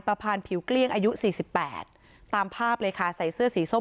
พานผิวเกลี้ยงอายุสี่สิบแปดตามภาพเลยค่ะใส่เสื้อสีส้ม